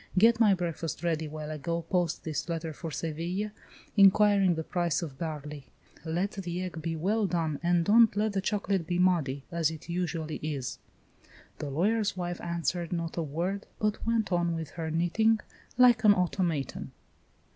Get my breakfast ready while I go post this letter for Seville, inquiring the price of barley. Let the egg be well done and don't let the chocolate be muddy, as it usually is." The lawyer's wife answered not a word, but went on with her knitting, like an automaton.